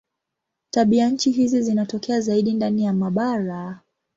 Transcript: Tabianchi hizi zinatokea zaidi ndani ya mabara.